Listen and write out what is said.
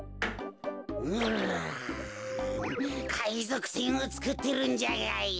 うかいぞくせんをつくってるんじゃがよ。